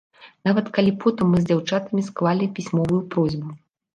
Нават калі потым мы з дзяўчатамі склалі пісьмовую просьбу.